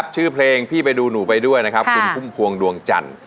ชื่อเพลงพี่ไปดูหนูไปด้วยคุณคุ้มควงดวงจันทร์